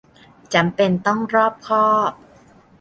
จำเป็นต้องรอบคอบ